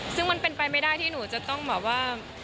ซึ่งมันเป็นไปไม่ได้ที่หนูจะต้องแบบว่า